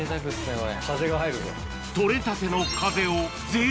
これ。